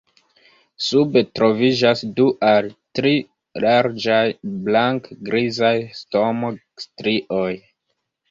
Sube troviĝas du al tri larĝaj blank-grizaj stomo-strioj.